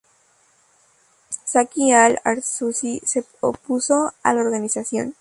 Zaki Al-Arsuzi se opuso a la organización.